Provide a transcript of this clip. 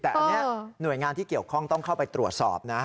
แต่อันนี้หน่วยงานที่เกี่ยวข้องต้องเข้าไปตรวจสอบนะ